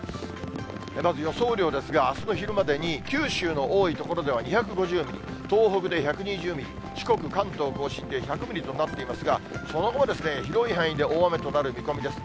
まず予想雨量ですが、あすの昼までに九州の多い所では２５０ミリ、東北で１２０ミリ、四国、関東甲信で１００ミリとなっていますが、その後も広い範囲で大雨となる見込みです。